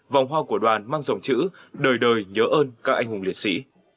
vòng hoa của đoàn mang dòng chữ đời đời nhớ ơn các anh hùng liệt sĩ